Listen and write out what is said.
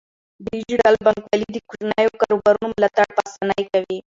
ډیجیټل بانکوالي د کوچنیو کاروبارونو ملاتړ په اسانۍ کوي.